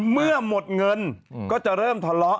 เมื่อหมดเงินก็จะเริ่มทะเลาะ